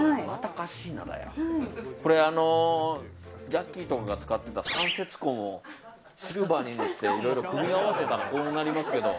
ジャッキーとかが使ってた三節棍をシルバーに塗って組み合わせたらこうなりますけど。